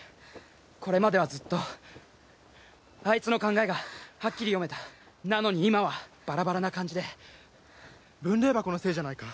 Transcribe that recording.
これまではずっとあいつの考えがはっきり読めたなのに今はバラバラな感じで分霊箱のせいじゃないか？